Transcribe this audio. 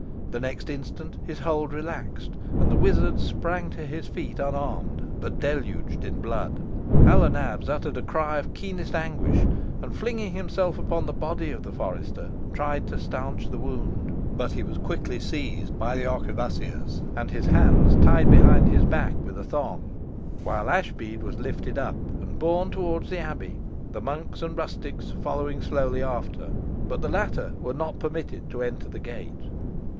The next instant his hold relaxed, and the wizard sprang to his feet unharmed, but deluged in blood. Hal o' Nabs uttered a cry of keenest anguish, and, flinging himself upon the body of the forester, tried to staunch the wound; but he was quickly seized by the arquebussiers, and his hands tied behind his back with a thong, while Ashbead was lifted up and borne towards the abbey, the monks and rustics following slowly after; but the latter were not permitted to enter the gate.